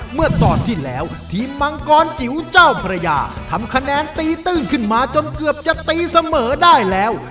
เมื่อตอนที่แล้วทีมมังกรจิ๋วเจ้าพระยาทำคะแนนตีตื้นขึ้นมาจนเกือบจะตีเสมอได้แล้ว